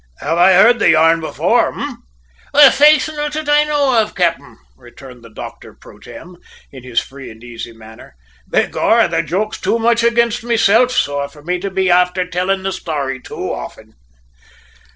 "Have I heard the yarn before, eh?" "Faith, not that I know of, cap'en," returned the doctor pro tem in his free and easy manner. "Begorrah, the joke's too much ag'inst meself, sor, for me to be afther tillin' the story too often!"